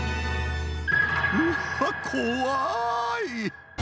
うっわ、怖い。